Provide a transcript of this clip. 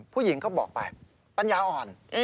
ผู้หญิงก็บอกไปปัญญาอ่อน